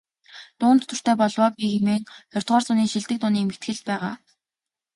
"Дуунд дуртай болов оо би" хэмээх ХХ зууны шилдэг дууны эмхэтгэлд байгаа.